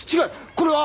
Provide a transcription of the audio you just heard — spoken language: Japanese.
これは。